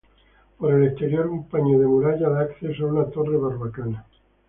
Por el exterior, un paño de muralla da acceso a una torre barbacana.